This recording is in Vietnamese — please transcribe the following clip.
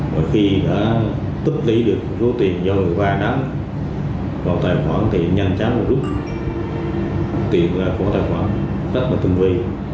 và khi đã tức lý được số tiền do người vay đó vào tài khoản tiền nhanh chắn một lúc tiền là của tài khoản rất là tương vị